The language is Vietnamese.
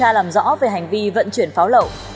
điều tra làm rõ về hành vi vận chuyển pháo lậu